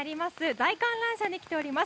大観覧車に来ております。